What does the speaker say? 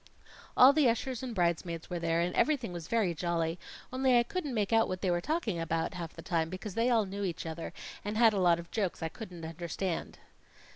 "All the ushers and bridesmaids were there, and everything was very jolly, only I couldn't make out what they were talking about half the time, because they all knew each other and had a lot of jokes I couldn't understand."